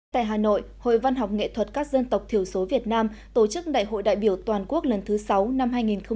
tại hà nội hội văn học nghệ thuật các dân tộc thiểu số việt nam tổ chức đại hội đại biểu toàn quốc lần thứ sáu năm hai nghìn một mươi chín